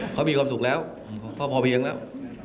เขามีความสุขแล้วก็พอเพียงแล้ว